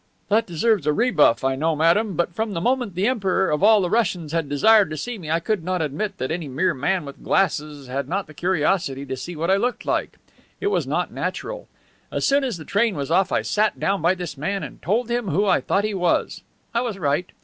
"That deserves a rebuff, I know, madame, but from the moment the Emperor of all the Russias had desired to see me I could not admit that any mere man with glasses had not the curiosity to see what I looked like. It was not natural. As soon as the train was off I sat down by this man and told him who I thought he was. I was right.